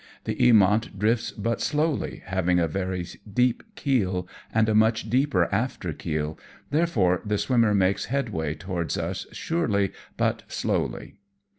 The Eamont drifts but slowly, having a very deep keel and a much deeper after keel, therefore the swimmer makes headway towards us surely but slowly.